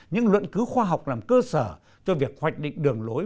những luận cứu khoa học làm cơ sở cho việc hoạch định đường lối